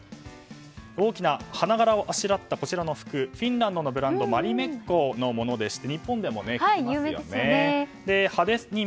大きな花柄をあしらったこちらの服はフィンランドのブランドマリメッコのもので日本でも有名ですよね。